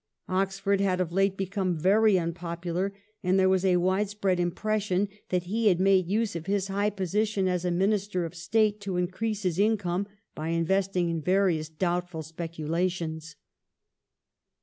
Oxford had of late become very unpopular, and there was a widespread impression that he had made use of his high position as a Minister of State to increase his income by invest ments in various doubtful speculations.